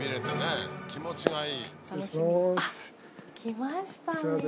あっ来ましたね。